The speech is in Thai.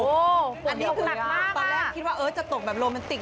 ตอนแรกคิดว่าเอิ้นจะตกแบบโรแมนติก